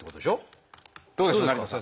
どうですか？